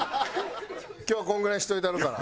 今日はこのぐらいにしといたるから。